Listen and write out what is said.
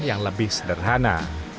yang lebih sederhana